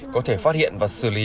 có thể phát hiện và xử lý